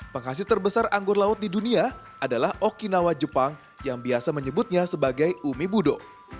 penghasil terbesar anggur laut di dunia adalah okinawa jepang yang biasa menyebutnya sebagai umi budo